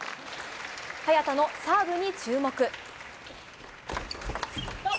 早田のサーブに注目。